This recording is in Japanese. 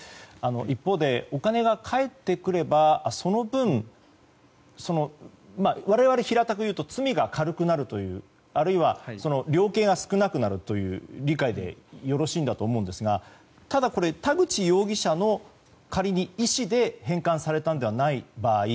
一方でお金が返ってくればその分我々は平たくいうと罪が軽くなるというあるいは、量刑が少なくなるという理解でよろしいんだと思うんですがただこれ田口容疑者の仮に意思で返還されたのではない場合